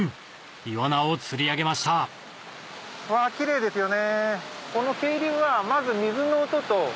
イワナを釣り上げましたキレイですよね。